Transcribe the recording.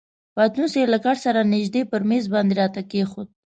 پتنوس یې له کټ سره نژدې پر میز باندې راته کښېښود.